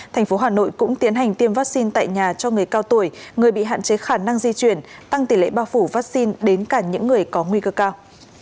thành phố hà nội cũng tiến hành tiêm vaccine tại nhà cho người cao tuổi người bị hạn chế khả năng di chuyển tăng tỷ lệ bao phủ vaccine đến cả những người có nguy cơ cao